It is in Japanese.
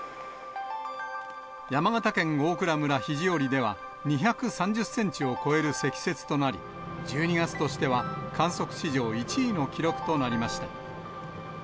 山形県大蔵村肘折では、２３０センチを超える積雪となり、１２月としては観測史上１位の記録となりました。